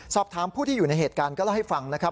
สอบถามผู้ที่อยู่ในเหตุการณ์ก็เล่าให้ฟังนะครับ